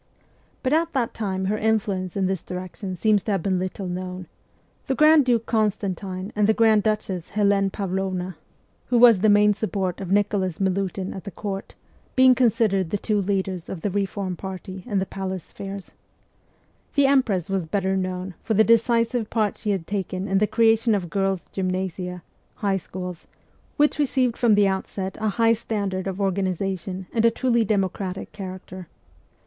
But at that time her influence in this direction seems to have been little known, the grand duke Constantine and the grand duchess Helene 176 MEMOIRS OF A REVOLUTIONIST Pavlovna, who was the main support of Nicholas Milutin at the Court, being considered the two leaders of the reform party in the palace spheres. The empress was better known for the decisive part she had taken in the creation of girls' gymnasia (high schools), which re ceived from the outset a high standard of organization and a truly democratic character.